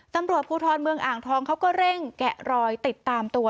ตำรวจภูทรเมืองอ่างทองเขาก็เร่งแกะรอยติดตามตัว